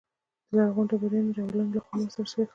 د لرغونو ډبرینو دیوالونو له خوا محاصره شوی ښار دی.